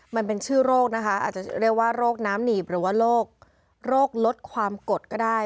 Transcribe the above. มันเป็นชื่อโรคนะคะอาจจะเรียกว่าโรคน้ำหนีบหรือว่าโรคลดความกดก็ได้